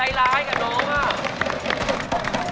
อะไรกับน้องอ่ะ